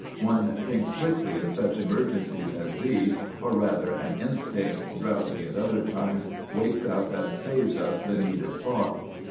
"One thinks quickly in such emergencies as these; or rather an instinct, drowsy at other times, wakes up and saves us the need of thought.